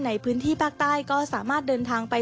ในพื้นที่ภาคใต้ก็สามารถเดินทางไป